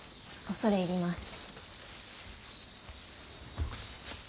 おそれいります。